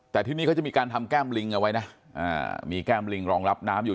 แต่ที่นี่เขาจะมีการทำแก้มลิงเอาไว้นะมีแก้มลิงรองรับน้ำอยู่